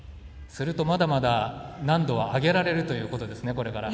すると、まだまだ難度は上げられるということですね。